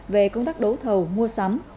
về công tác đấu thầu mua sắm